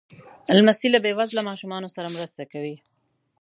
لمسی له بې وزله ماشومانو سره مرسته کوي.